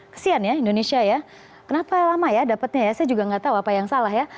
kesian ya indonesia ya kenapa lama ya dapatnya ya saya juga nggak tahu apa yang salah ya